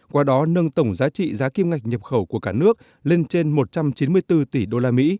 qua đó nâng tổng giá trị giá kim ngạch nhập khẩu của cả nước lên trên một trăm chín mươi bốn tỷ usd